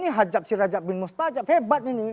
ini hajab si rajab bin mustajab hebat ini